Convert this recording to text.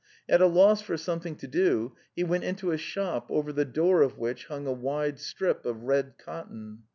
At a loss for something to do, he went into a shop over the door of which hung a wide strip of red cotton.